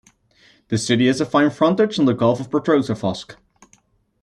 The city has a fine frontage on the Gulf of Petrozavodsk.